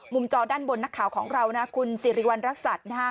มุมจอด้านบนนักข่าวของเราคุณสิริวัณรักษัตริย์